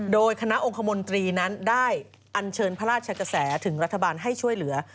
โดยคณะองคมนตรีนั้นได้อันเชิญพระราชกระแสถึงรัฐบาลให้ช่วยเหลือ